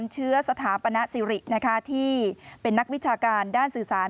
เชื้อสถาปนสิริที่เป็นนักวิชาการด้านสื่อสาร